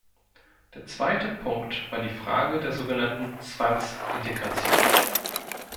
Der zweite Punkt war die Frage der sogenannten Zwangsintegration.